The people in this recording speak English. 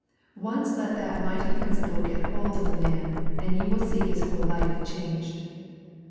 Once let that mighty principle get hold of a man, and you will see his whole life changed.